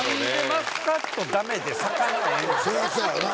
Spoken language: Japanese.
そりゃそうやわな。